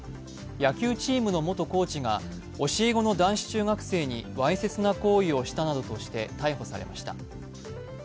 野球チームの元コーチが教え子の男子中学生にわいせつな行為をしたなどとして逮捕されました。